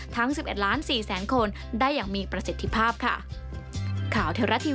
ทั้ง๑๑ล้าน๔แสนคนได้อย่างมีประสิทธิภาพค่ะ